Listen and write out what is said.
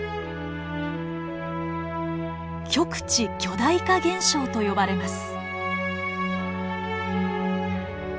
極地巨大化現象と呼ばれます。